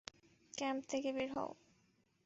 Camp থেকে বের হও!